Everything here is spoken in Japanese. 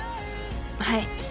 はい。